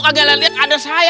kagak lihat ada saya